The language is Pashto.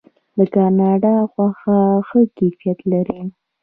د کاناډا غوښه ښه کیفیت لري.